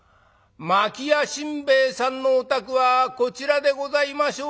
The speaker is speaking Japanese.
桝屋新兵衛さんのお宅はこちらでございましょうか？」。